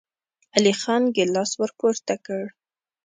علی خان ګيلاس ور پورته کړ.